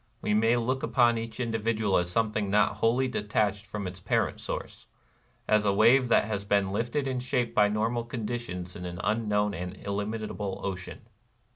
... We may look upon each individual as something not wholly detached from its parent source, — as a wave that has been lifted and shaped by normal conditions in an unknown and illimitable ocean."